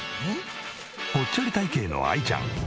ぽっちゃり体形のあいちゃん。